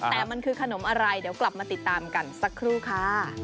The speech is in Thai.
แต่มันคือขนมอะไรเดี๋ยวกลับมาติดตามกันสักครู่ค่ะ